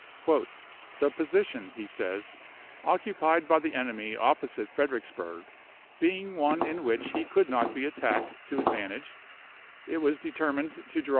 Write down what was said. " The position," he says, "occupied by the enemy opposite Fredericks burg being one in which he could not be at tacked to advantage, it was determined to draw 202 ABRAHAM LINCOLN Ch.